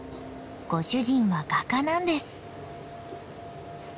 ご主人は画家なんです。